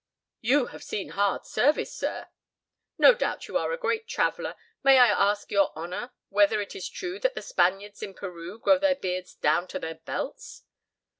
"You have seen hard service, sir." "No doubt you are a great traveller. May I ask your honor whether it is true that the Spaniards in Peru grow their beards down to their belts?"